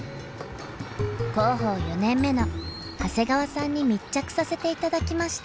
広報４年目の長谷川さんに密着させていただきました。